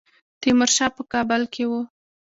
تیمورشاه په کابل کې وو.